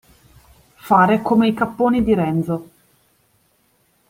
Fare come i capponi di Renzo.